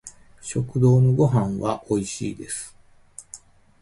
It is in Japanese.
食堂のご飯は美味しいです